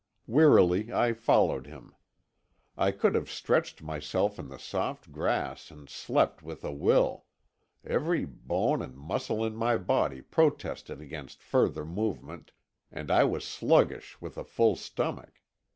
Wearily I followed him. I could have stretched myself in the soft grass and slept with a will; every bone and muscle in my body protested against further movement, and I was sluggish with a full stomach.